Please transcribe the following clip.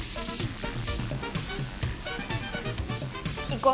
行こう！